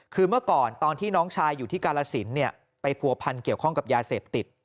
คือเมื่อก่อนตอนที่น้องชายอยู่ที่กาลสินไปผัวพันเกี่ยวข้องกับยาเสพติด